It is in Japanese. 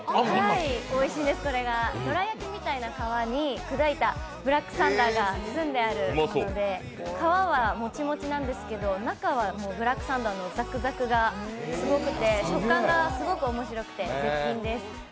どら焼きみたいな皮に砕いたブラックサンダーが包んであるもので、皮はもちもちなんですけど中はブラックサンダーのザクザクがすごくて食感がすごくて最高です。